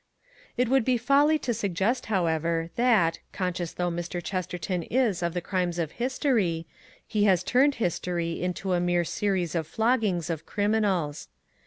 It would be folly to suggest, however, that, conscious though Mr. Chesterton is of the crimes of history, he has turned history into a mere series of floggings of criminals.